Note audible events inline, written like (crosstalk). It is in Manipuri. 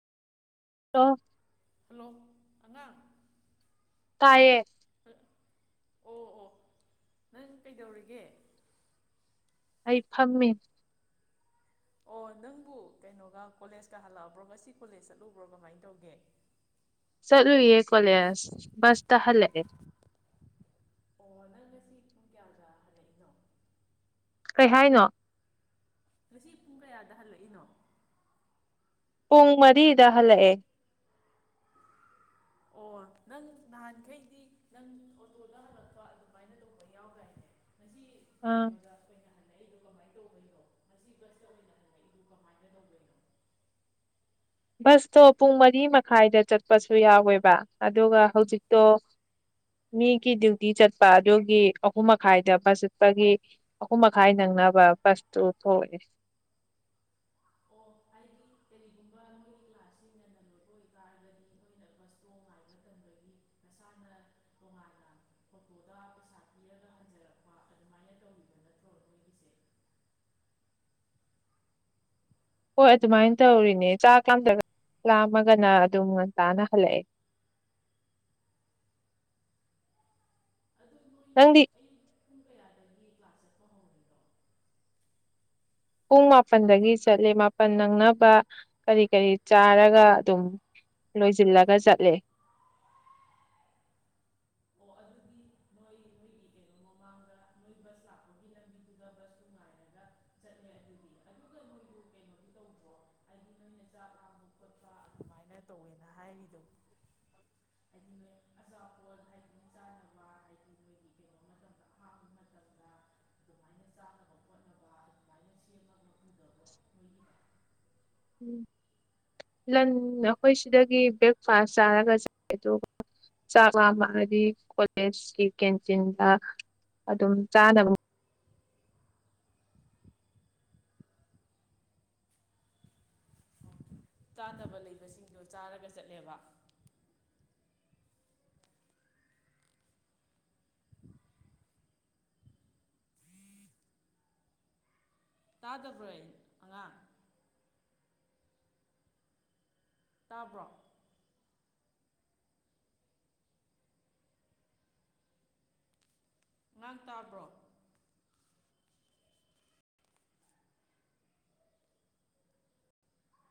ꯑ ꯍꯜꯂꯣ ꯑꯉꯥꯡ ꯇꯑꯌꯦꯦ ꯑ- ꯑꯣ ꯑꯣ ꯅꯪ ꯀꯩꯗꯧꯔꯤꯒꯦ ꯑꯩ ꯐꯝꯃꯤ ꯑꯣ ꯅꯪꯕꯨ ꯀꯩꯅꯣꯒ ꯀꯣꯂꯦꯖꯀ ꯍꯜꯂꯛꯑꯕ꯭ꯔꯣ ꯉꯁꯤ ꯀꯣꯂꯦꯖ ꯆꯠꯂꯨꯕ꯭ꯔꯣ ꯀꯃꯥꯏꯅ ꯇꯧꯒꯦ ꯆꯠꯂꯨꯏꯌꯦ ꯀꯣꯂꯦꯖ ꯃꯁ ꯇꯍꯂꯦ ꯑꯁꯤ ꯄꯨꯡ ꯀꯌꯥ ꯀꯌꯥ ꯍꯜꯂꯛꯏꯅꯣ ꯀꯩ ꯍꯥꯏꯅꯣ ꯉꯁꯤ ꯄꯨꯡ ꯀꯌꯥꯗ ꯍꯜꯂꯛꯏꯅꯣ ꯄꯨꯡ ꯃꯔꯤꯗ ꯍꯜꯂꯛꯑꯦ ꯑꯣ ꯅꯪ ꯅꯍꯥꯟꯈꯩꯗꯤ ꯅꯪ ꯑꯣꯇꯣꯗ ꯍꯂꯛꯄ ꯑꯗꯨꯃꯥꯏꯅ ꯇꯧꯕ ꯌꯥꯎ꯭ꯔꯅꯦ ꯑꯥ ꯑꯩꯗꯨ ꯀꯃꯥꯏꯅ ꯇꯧꯗꯣꯏꯅꯣ ꯉꯁꯤ (inaudible) ꯇꯧꯃꯤꯟꯅꯕꯅꯦ ꯀꯃꯥꯏꯅ ꯇꯧꯗꯣꯏꯅꯣ ꯕꯁꯇꯣ ꯄꯨꯡ ꯃꯔꯤ ꯃꯈꯥꯏꯗ ꯆꯠꯄꯁꯨ ꯌꯥꯎꯋꯦꯕ ꯑꯗꯨꯒ ꯍꯧꯖꯤꯛꯇꯣ ꯃꯤꯒꯤ ꯗ꯭ꯌꯨꯇꯤ ꯆꯠꯄ ꯑꯗꯨꯒꯤ ꯑꯍꯨꯝ ꯃꯈꯥꯏꯗ ꯕꯁ ꯆꯠꯄꯒꯤ ꯑꯍꯨꯝ ꯃꯈꯥꯏ ꯅꯪꯅꯕ ꯕꯁꯇꯨ ꯊꯣꯛꯂꯛꯑꯦ ꯑꯣ ꯀꯔꯤꯒꯨꯝꯕ ꯀ꯭ꯂ ꯃꯇꯝꯥꯅꯣꯉꯥꯟꯅ ꯐꯇ ꯄꯩꯁꯥ ꯄꯤꯔ ꯍꯟꯔꯛꯄ ꯑꯗꯨꯃꯥꯏꯅ ꯇ ꯅꯠꯇ꯭ꯔꯣꯒꯤꯁ ꯍꯣꯏ ꯑꯗꯨꯃꯥꯏꯅ ꯇꯧꯔꯤꯅꯦ ꯆꯥ ꯀꯥꯗ ꯂꯥꯝꯃꯒꯅ ꯑꯗꯨꯝ ꯉꯟꯇꯥꯅ ꯍꯜꯂꯛꯑꯦ ꯑꯗꯨ ꯅꯣꯏ ꯅꯪꯗꯤ (inaudible) ꯄꯨꯡ ꯃꯥꯄꯜꯗꯒꯤ ꯆꯠꯂꯦ ꯃꯥꯄꯜ ꯅꯪꯅꯕ ꯀꯔꯤ ꯀꯔꯤ ꯆꯥꯔꯒ ꯑꯗꯨꯝ ꯂꯣꯏꯁꯤꯜꯂꯒ ꯆꯠꯂꯦ ꯑꯣ ꯑꯗꯨꯗꯤ ꯅꯣꯏ ꯅꯣꯏꯒꯤ ꯀꯩꯅꯣ ꯃꯃꯥꯡꯗ ꯅꯣꯏ ꯕꯨꯁ ꯂꯛꯄꯒꯤ ꯂꯝꯕꯤꯗꯨꯗ ꯕꯨꯁꯇꯨ ꯉꯥꯏꯔꯒ ꯆꯠꯂꯦ ꯑꯗꯨꯗꯤ ꯑꯗꯨꯒ ꯅꯣꯏꯗꯨ ꯀꯩꯅꯣꯗꯤ ꯇꯧꯕꯔꯣ ꯍꯥꯏꯗꯤ ꯆꯥꯛ ꯂꯝꯕ ꯈꯣꯠꯄ ꯑꯗꯨꯃꯥꯏꯅ ꯇꯧꯏꯅꯥ ꯍꯥꯏꯔꯤꯗꯨ ꯍꯥꯢꯗꯤ ꯅꯣꯏ ꯑꯆꯥꯄꯣꯠ ꯍꯥꯏꯗꯤ ꯆꯥꯅꯕ ꯍꯥꯏꯗꯤ ꯅꯣꯏꯒꯤ ꯀꯩꯅꯣ ꯃꯇꯝꯗ ꯑꯍꯥꯪꯕꯥ ꯃꯇꯝꯗ ꯑꯗꯨꯃꯥꯏꯅ ꯆꯥꯅꯕ ꯈꯣꯠꯅꯕꯥ ꯑꯗꯨꯃꯥꯢꯅ ꯁꯦꯝꯃꯒꯥ (inaudible) ꯃꯣꯏꯒꯤꯅꯦ ꯎꯝ ꯂꯟ ꯑꯩꯈꯣꯏ ꯁꯤꯗꯒꯤ ꯕ꯭ꯔꯦꯛꯐꯥꯁ ꯆꯥꯔꯒ ꯆ ꯑꯗꯨꯒ ꯆꯥꯛꯃꯗꯤ ꯀꯣꯂꯦꯖꯀꯤ ꯀꯦꯟꯇꯤꯟꯗ ꯑꯗꯨꯝ ꯆꯥꯅꯕ ꯆꯥꯗꯕ ꯂꯩꯕꯁꯤꯡꯗꯣ ꯆꯥꯔꯒ ꯆꯠꯂꯦꯕ ꯇꯥꯗ ꯄꯨꯔ ꯑꯉꯥꯡ ꯇꯥꯕ꯭ꯔꯣ ꯉꯥꯡ ꯇꯥꯔꯕ꯭ꯔꯣ